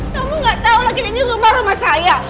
kamu gak tahu lagi ini rumah rumah saya